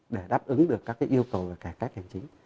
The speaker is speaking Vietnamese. để đáp ứng được các yêu cầu về cải cách hành chính